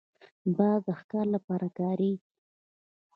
باز د ښکار لپاره کارېږي